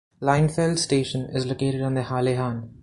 Leinefelde station is located on the Halle-Hann.